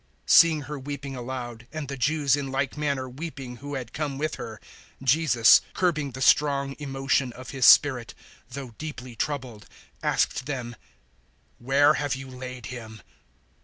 011:033 Seeing her weeping aloud, and the Jews in like manner weeping who had come with her, Jesus, curbing the strong emotion of His spirit, 011:034 though deeply troubled, asked them, "Where have you laid him?"